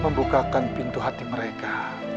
membukakan pintu hati mereka